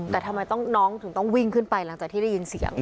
แต่ทำไมน้องถึงต้องวิ่งขึ้นไปหลังจากที่ได้ยินเสียง